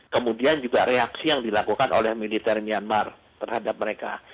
kemudian juga reaksi yang dilakukan oleh militer myanmar terhadap mereka